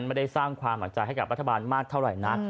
ไม่ได้สร้างความหวังใจให้กับรัฐบาลมากเท่าไหร่นัก